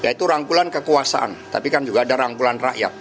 ya itu rangkulan kekuasaan tapi kan juga ada rangkulan rakyat